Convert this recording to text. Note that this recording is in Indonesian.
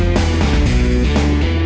udah bocan mbak